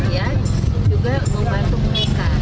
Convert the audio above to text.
ya juga membantu mereka